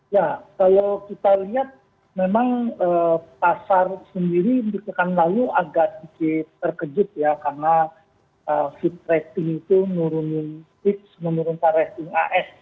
ya kalau kita lihat memang pasar sendiri di pekan lalu agak sedikit terkejut ya karena feed rating itu menurunkan rating as